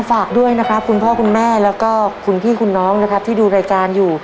ฝากด้วยนะครับคุณพ่อคุณแม่แล้วก็คุณพี่คุณน้องนะครับที่ดูรายการอยู่